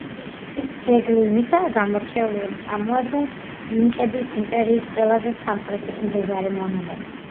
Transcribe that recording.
ძეგლი იმითაა გამორჩეული, რომ წარმოადგენს ინკების იმპერიის ყველაზე სამხრეთით მდებარე მონუმენტს.